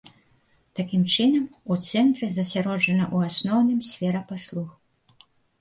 Такім чынам, у цэнтры засяроджана ў асноўным сфера паслуг.